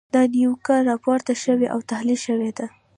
دا نیوکه راپور شوې او تحلیل شوې ده.